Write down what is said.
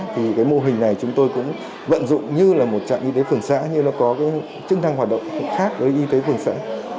thì cái mô hình này chúng tôi cũng vận dụng như là một trạm y tế phường xã như nó có cái chức năng hoạt động khác với y tế phường xã